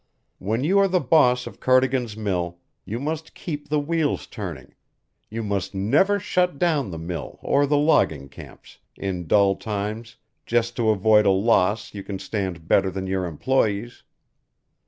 When you are the boss of Cardigan's mill, you must keep the wheels turning; you must never shut down the mill or the logging camps in dull times just to avoid a loss you can stand better than your employees."